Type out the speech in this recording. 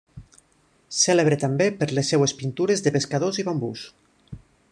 Cèlebre també per les seves pintures de pescadors i bambús.